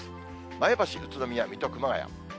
前橋、宇都宮、水戸、熊谷。